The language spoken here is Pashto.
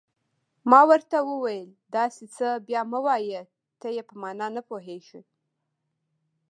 ما ورته وویل: داسې څه بیا مه وایه، ته یې په معنا نه پوهېږې.